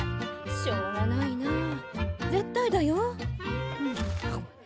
しょうがないなあ絶対だよ。